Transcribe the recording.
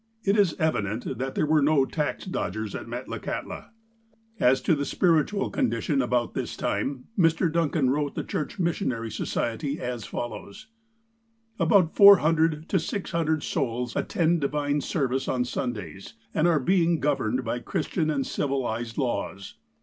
It is evident that there were no tax dodgers at Metla kahtla. ONWARD AND UPWARD 169 As to the spiritual condition about this time Mr. Duncan wrote the Church Missionary Society as follows : "About four hundred to six hundred souls attend divine service on Sundays, and are being governed by Christian and civilized laws.